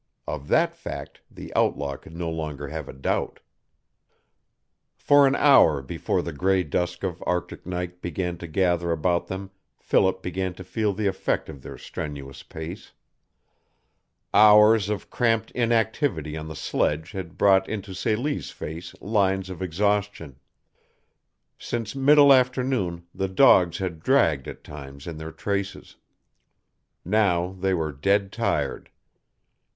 Of that fact the outlaw could no longer have a doubt. For an hour before the gray dusk of Arctic night began to gather about them Philip began to feel the effect of their strenuous pace. Hours of cramped inactivity on the sledge had brought into Celie's face lines of exhaustion. Since middle afternoon the dogs had dragged at times in their traces. Now they were dead tired.